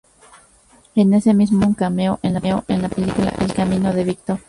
En ese mismo año, hizo un cameo en la película "El camino de Víctor".